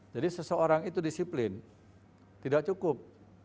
jadi seseorang itu disiplin tidak cukup